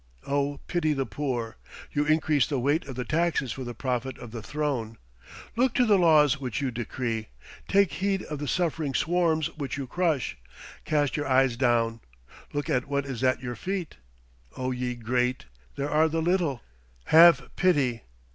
O pity the poor! You increase the weight of the taxes for the profit of the throne. Look to the laws which you decree. Take heed of the suffering swarms which you crush. Cast your eyes down. Look at what is at your feet. O ye great, there are the little. Have pity!